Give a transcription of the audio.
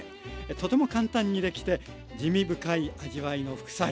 とても簡単にできて滋味深い味わいの副菜。